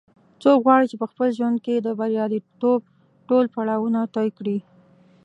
څوک غواړي چې په خپل ژوند کې د بریالیتوب ټول پړاوونه طې کړي